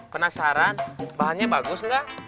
penasaran bahannya bagus gak